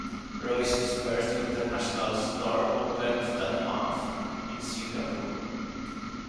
Royce's first international store opened that month, in Singapore.